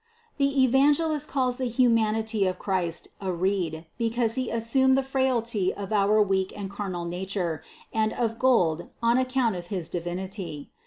278. The Evangelist calls the humanity of Christ a "reed" because He assumed the frailty of our weak and carnal nature, and "of gold," on account of his Di vinity.